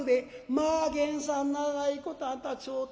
「まあ源さん長いことあんたちょっと」。